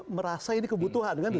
merasa ini kebutuhan